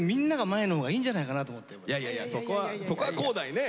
いやいやそこはそこは浩大ね。